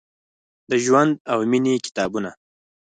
د ژوند او میینې کتابونه ،